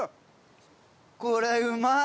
これうまっ！